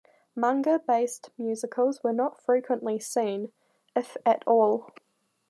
Manga-based musicals were not frequently seen, if at all.